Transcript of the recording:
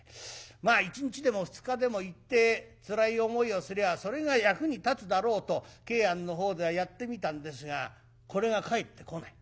まあ一日でも二日でも行ってつらい思いをすりゃそれが役に立つだろうと桂庵のほうではやってみたんですがこれが帰ってこない。